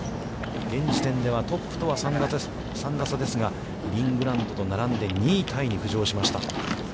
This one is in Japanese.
現時点ではトップとは３打差ですが、リン・グラントと並んで、２位タイに浮上しました。